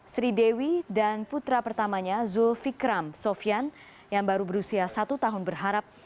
sri dewi dan putra pertamanya zulfikram sofian yang baru berusia satu tahun berharap